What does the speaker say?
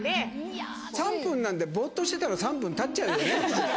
３分なんてぼーっとしてたら３分たっちゃうよね。